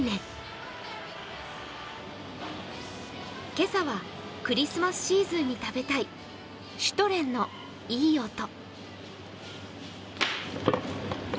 今朝はクリスマスシーズンに食べたいシュトレンのいい音。